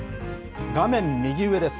画面右上です。